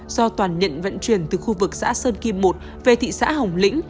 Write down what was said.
do toàn nhận vận chuyển từ khu vực xã sơn kim một về thị xã hồng lĩnh